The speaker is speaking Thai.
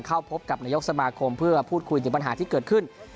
เข้าพบกับนายกสมาคมเพื่อพูดคุยถึงปัญหาที่เกิดขึ้น